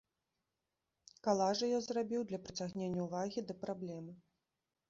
Калажы я зрабіў для прыцягнення ўвагі да праблемы.